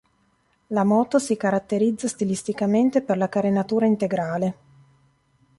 La moto si caratterizza stilisticamente per la carenatura integrale.